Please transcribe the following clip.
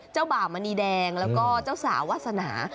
บ่ามณีแดงแล้วก็เจ้าสาววาสนา